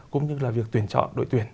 cũng như là việc tuyển chọn đội tuyển